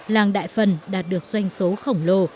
làng đại phần đạt được doanh số khổng lồ